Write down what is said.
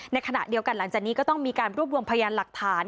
ในขณะเดียวกันหลังจากนี้ก็ต้องมีการรวบรวมพยานหลักฐาน